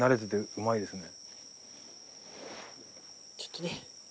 うまいですね。